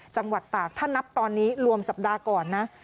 จังหวัดตากถ้านับตอนนี้รวมสัปดาห์ก่อนนะ